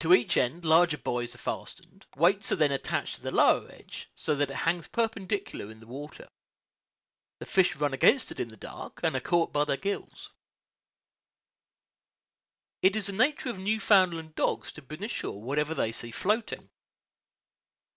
To each end larger buoys are fastened; weights are then attached to the lower edge, so that it hangs perpendicular in the water. The fish run against it in the dark, and are caught by their gills. It is the nature of Newfoundland dogs to bring ashore whatever they see floating.